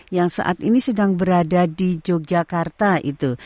yang saat ini sedang berada di yogyakarta itu